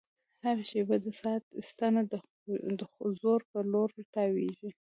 هره شېبه د ساعت ستنه د ځوړ په لور تاوېږي.